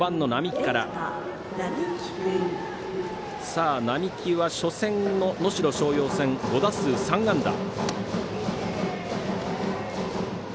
双木は、初戦の能代松陽戦５打数３安打。